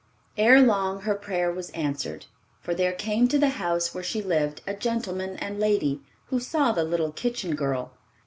Ere long her prayer was answered, for there came to the house where she lived a gentleman and lady, who saw the "little kitchen girl."